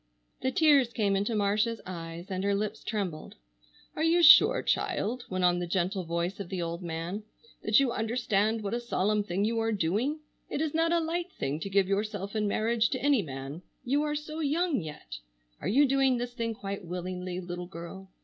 The tears came into Marcia's eyes and her lips trembled. "Are you sure, child," went on the gentle voice of the old man, "that you understand what a solemn thing you are doing? It is not a light thing to give yourself in marriage to any man. You are so young yet! Are you doing this thing quite willingly, little girl?